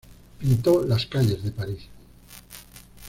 Pintó las calles de Paris.